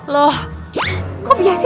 loh kok biasa